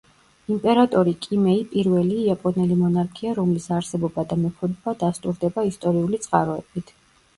იმპერატორი კიმეი პირველი იაპონელი მონარქია რომლის არსებობა და მეფობა დასტურდება ისტორიული წყაროებით.